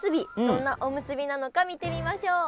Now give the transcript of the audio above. どんなおむすびなのか見てみましょう。